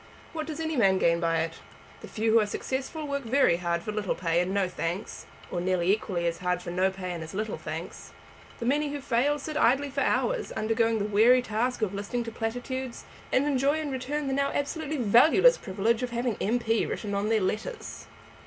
What does any man gain by it? The few who are successful work very hard for little pay and no thanks, or nearly equally hard for no pay and as little thanks. The many who fail sit idly for hours, undergoing the weary task of listening to platitudes, and enjoy in return the now absolutely valueless privilege of having M.P. written on their letters."